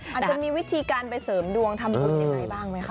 อาจจะมีวิธีการไปเสริมดวงทำบุญยังไงบ้างไหมคะ